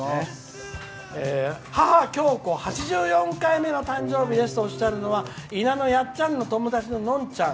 「母、きょうこ、８４回目の誕生日です」とおっしゃるのはいなのやっちゃんの友達ののんちゃん。